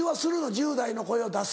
１０代の声を出す。